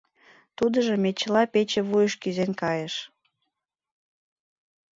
Тудыжо мечыла пече вуйыш кӱзен кайыш.